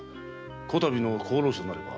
こたびの功労者なれば。